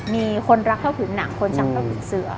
มีคนรักเข้าถึงหนักคนชักเข้าถึงเสือ